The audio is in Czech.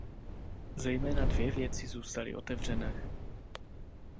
Zejména dvě věci zůstaly otevřené.